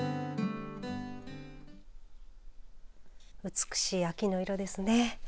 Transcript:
美しい秋の色ですね。